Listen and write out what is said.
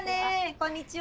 こんにちは。